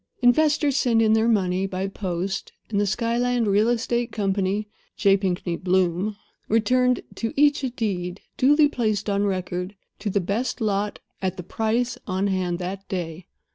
Investors sent in their money by post, and the Skyland Real Estate Company (J. Pinkney Bloom) returned to each a deed, duly placed on record, to the best lot, at the price, on hand that day.